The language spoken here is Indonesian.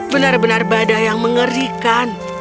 benar benar badan yang mengerikan